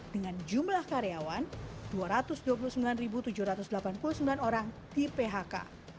dengan jumlah karyawan dua ratus dua puluh sembilan tujuh ratus delapan puluh sembilan orang di phk